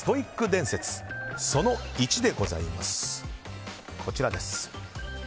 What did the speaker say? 伝説その１でございます。